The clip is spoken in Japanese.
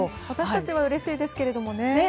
私たちはうれしいですけど。